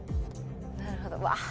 なるほどうわ！